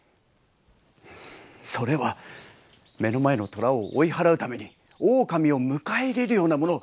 それは目の前の虎を追い払うために狼を迎え入れるようなもの。